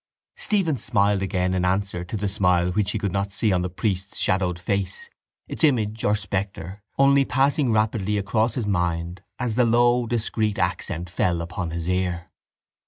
Stephen smiled again in answer to the smile which he could not see on the priest's shadowed face, its image or spectre only passing rapidly across his mind as the low discreet accent fell upon his ear.